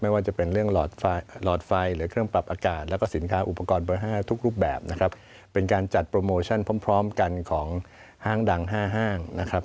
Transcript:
ว่าจะเป็นเรื่องหลอดไฟหรือเครื่องปรับอากาศแล้วก็สินค้าอุปกรณ์เบอร์๕ทุกรูปแบบนะครับเป็นการจัดโปรโมชั่นพร้อมกันของห้างดัง๕ห้างนะครับ